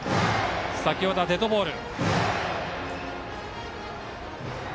先ほどはデッドボール。